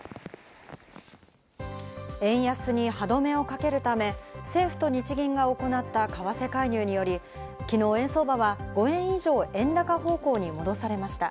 円安に歯止めをかけるため、政府と日銀が行った為替介入により、昨日、円相場は５円以上、円高方向に戻されました。